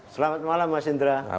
selamat malam mas indra